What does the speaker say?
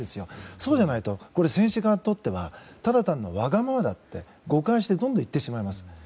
そうじゃないと選手側にとってはただ単にわがままだって誤解してどんどんいってしまいます。